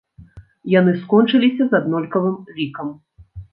Яны скончыліся з аднолькавым лікам.